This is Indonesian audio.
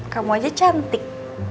kamu aja cantik